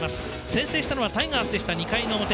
先制したのはタイガースでした、２回の表。